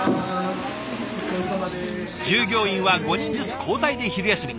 従業員は５人ずつ交代で昼休み。